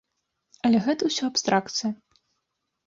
Але гэта ўсё абстракцыя.